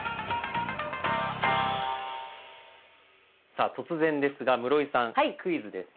さあ突然ですが室井さんクイズです。